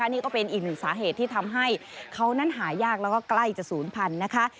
นี่ก็เป็นอีกหนึ่งสาเหตุที่ทำให้เขานั้นหายากแล้วก็ใกล้จะศูนย์พันธุ์นะคะ